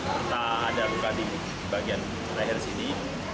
serta ada luka di bagian leher sini